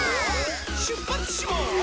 しゅっぱつします！